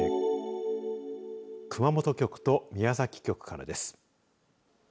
熊本局と宮崎局からです。